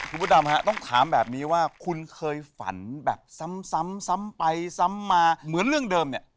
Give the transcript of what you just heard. คุณพระดำฮะต้องถามแบบนี้ว่าคุณเคยฝันแบบซ้ำซ้ำไปซ้ำมาเหมือนเรื่องเดิมเนี่ย